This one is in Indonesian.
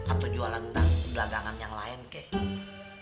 atau jualan belakangan yang lain kek